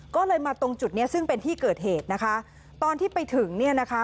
ก็เลยมาตรงจุดเนี้ยซึ่งเป็นที่เกิดเหตุนะคะตอนที่ไปถึงเนี่ยนะคะ